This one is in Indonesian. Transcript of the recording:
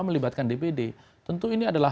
melibatkan dpd tentu ini adalah